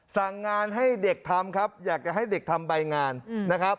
สั่งงานให้เด็กทำครับอยากจะให้เด็กทำใบงานนะครับ